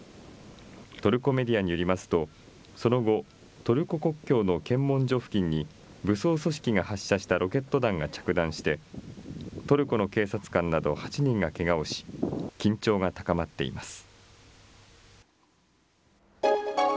トルコメディアによりますと、その後、トルコ国境の検問所付近に武装組織が発射したロケット弾が着弾して、トルコの警察官など８人がけがをし、緊張が高まっています。